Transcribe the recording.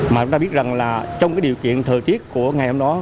mà chúng ta biết rằng là trong cái điều kiện thời tiết của ngày hôm đó